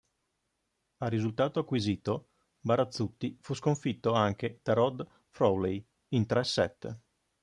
A risultato acquisito, Barazzutti fu sconfitto anche da Rod Frawley in tre set.